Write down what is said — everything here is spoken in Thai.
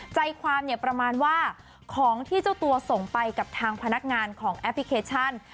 ใจความเนี่ยประมาณว่าของที่เจ้าตัวส่งไปกับทางพนักงานของแอปพลิเคชัน